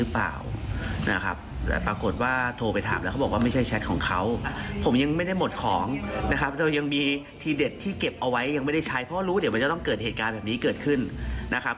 เพราะรู้ว่าเดี๋ยวมันจะต้องเกิดเหตุการณ์แบบนี้เกิดขึ้นนะครับ